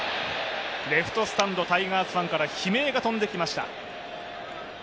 レフトスタンド、タイガースファンから悲鳴が飛んできました。